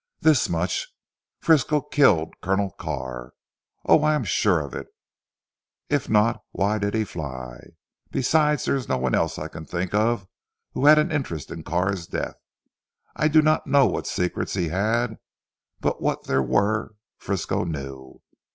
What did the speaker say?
"This much. Frisco killed Colonel Carr. Oh, I am sure of it! If not, why did he fly? Besides there is no one else I can think of who had an interest in Carr's death. I do not know what secrets he had, but what there were Frisco knew.